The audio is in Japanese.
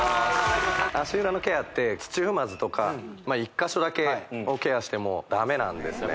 足裏のケアって土踏まずとか１か所だけをケアしてもダメなんですね